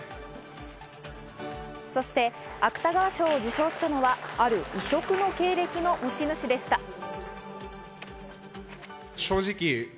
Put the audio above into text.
そして芥川賞を受賞したのは、ある異色の経歴の持ち主でした。